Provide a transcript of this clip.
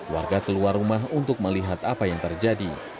warga keluar rumah untuk melihat apa yang terjadi